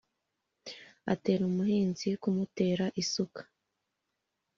atera umuhinzi kumutera isuka